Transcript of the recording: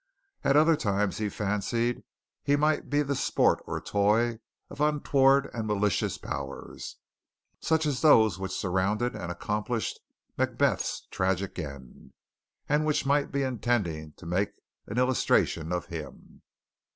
At other times he fancied he might be the sport or toy of untoward and malicious powers, such as those which surrounded and accomplished Macbeth's tragic end, and which might be intending to make an illustration of him.